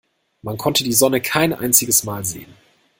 Man konnte die Sonne kein einziges Mal sehen.